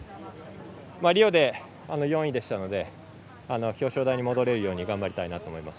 リオで４位でしたので表彰台に戻れるように頑張りたいなと思います。